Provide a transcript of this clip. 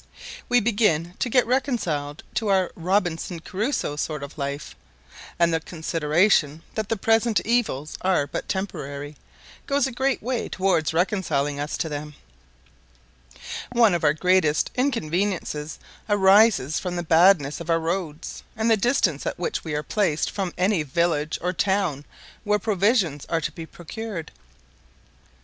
We begin to get reconciled to our Robinson Crusoe sort of life, and the consideration that the present evils are but temporary, goes a great way towards reconciling us to them. One of our greatest inconveniences arises from the badness of our roads, and the distance at which we are placed from any village or town where provisions are to be procured.